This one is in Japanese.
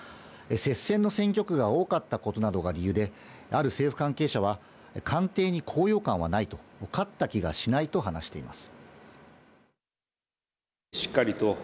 接戦の選挙区が多かったことなどが理由で、ある政府関係者は官邸に高揚感はない、勝った気がしないと話しています。